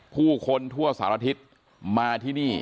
ผู้คนทั่วสารทิศมาที่นี่